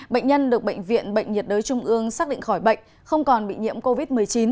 bệnh nhân được bệnh viện bệnh nhiệt đới trung ương xác định khỏi bệnh không còn bị nhiễm covid một mươi chín